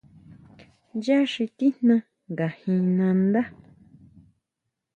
Ya xi tijna nga jin nandá.